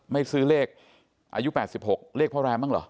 ไม่ซื้อเลขอายุ๘๖เลขพ่อแรมบ้างเหรอ